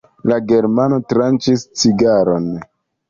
La germano tranĉis cigaron.